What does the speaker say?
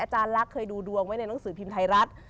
ลักษณ์เคยดูดวงไว้ในหนังสือพิมพ์ไทยรัฐ